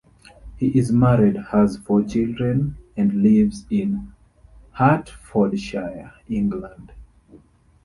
He is married, has four children and lives in Hertfordshire, England.